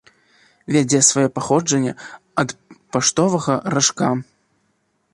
Вядзе сваё паходжанне ад паштовага ражка.